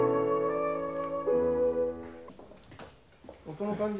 音の感じ